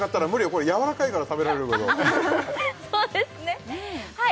これやわらかいから食べられるけどそうですねはい